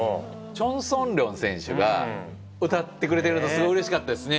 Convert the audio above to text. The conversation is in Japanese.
チョンソンリョン選手が歌ってくれてるのすごいうれしかったですね。